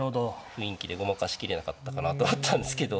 雰囲気でごまかしきれなかったかなと思ったんですけど。